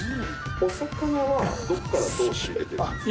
お魚はどこからどう仕入れているんですか？